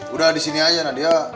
udah disini aja nadia